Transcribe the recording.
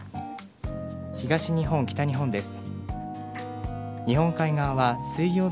東日本、北日本です。